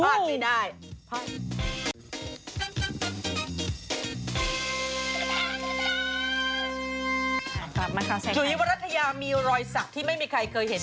กลับมาคราวแท้ไขจุ๋ยรัฐยามีรอยสักที่ไม่มีใครเคยเห็น